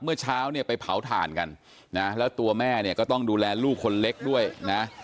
เมื่อเช้าเนี่ยไปเผาถ่านกันนะแล้วตัวแม่เนี่ยก็ต้องดูแลลูกคนเล็กด้วยนะ